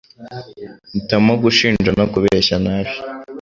hitamo gushinja no kubeshya nabi